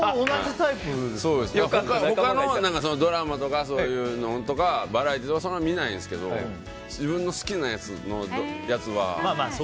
他のドラマとか、そういうのとかバラエティーとかはそんなに見ないけど自分の好きなやつは。